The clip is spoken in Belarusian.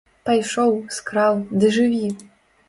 Пайшоў, скраў, ды жыві!